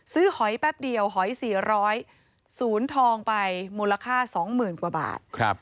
หอยแป๊บเดียวหอย๔๐๐ศูนย์ทองไปมูลค่า๒๐๐๐กว่าบาท